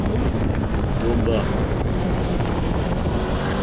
Tómbâ.